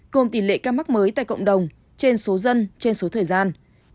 gồm tỉ lệ ca mắc mới tại cộng đồng trên số dân trên số thời gian